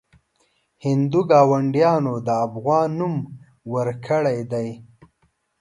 هندو ګاونډیانو د افغان نوم ورکړی دی.